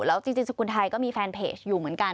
แล้วจริงสกุลไทยก็มีแฟนเพจอยู่เหมือนกัน